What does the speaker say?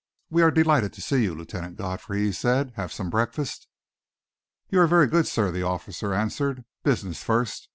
"We are delighted to see you, Lieutenant Godfrey," he said. "Have some breakfast." "You are very good, sir," the officer answered. "Business first.